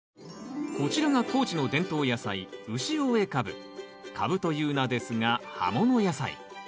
こちらが高知の伝統野菜カブという名ですが葉もの野菜。